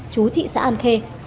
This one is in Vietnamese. chú thị xã an khê